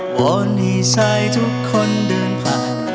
วอนให้ชายทุกคนเดินผ่าน